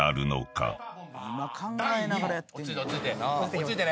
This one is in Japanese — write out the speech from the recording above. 落ち着いて。